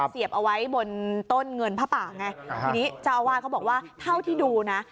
เสียบเอาไว้บนต้นเงินผ้าป่าไงทีนี้เจ้าอาวาสเขาบอกว่าเท่าที่ดูนะ